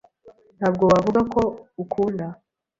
ntabwo wavuga ko ukunda